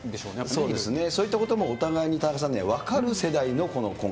そうですね、そういったこともお互いに田中さんね、分かる世代のこの婚活。